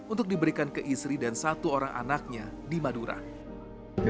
untuk diberikan ke istri dan satu orang anaknya di madura